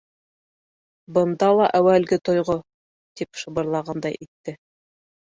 — Бында ла әүәлге тойғо... — тип шыбырлағандай итте.